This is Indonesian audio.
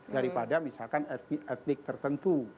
daripada misalkan etnik tertentu